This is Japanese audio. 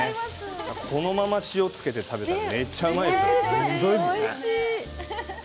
このまま塩をつけて食べてもめっちゃうまいですよ。